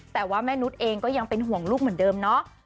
แต่ว่าแม่นุษย์เองก็ยังเป็นห่วงลูกเหมือนเดิมเนาะ